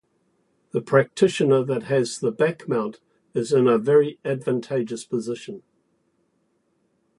The practitioner that has the back mount is in a very advantageous position.